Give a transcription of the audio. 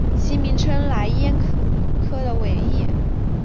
其名称来燕科的尾翼。